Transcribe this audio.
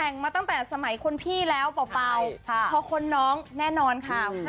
แต่งมาตั้งแต่สมัยคนพี่แล้วเป่าเพราะคนน้องแน่นอนค่ะ